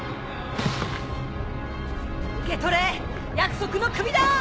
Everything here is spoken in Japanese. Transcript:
受け取れ約束の首だ！